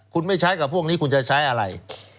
คุณไม่ใช้กับพวกนี้คุณจะใช้อะไร